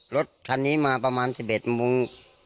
รถคันนี้มาประมาณ๑๑โมง